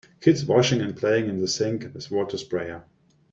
Kids washing and playing in the sink with water sprayer.